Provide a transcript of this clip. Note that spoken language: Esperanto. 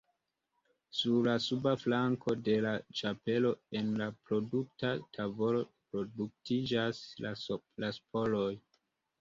Sur la suba flanko de la ĉapelo, en la produkta tavolo, produktiĝas la sporoj.